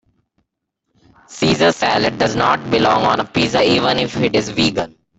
Caesar salad does not belong on a pizza even if it is vegan.